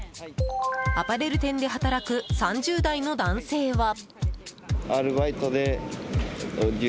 アパレル店で働く３０代の男性は。